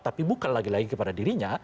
tapi bukan lagi lagi kepada dirinya